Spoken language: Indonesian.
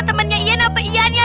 temennya ian apa ian ya